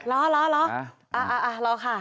เหรออ่ะรอค่ะ